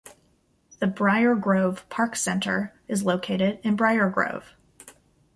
The Briargrove Park Center is located in Briargrove.